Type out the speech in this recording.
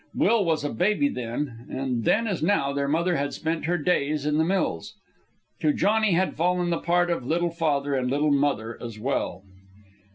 Will was a baby then, and then, as now, their mother had spent her days in the mills. To Johnny had fallen the part of little father and little mother as well.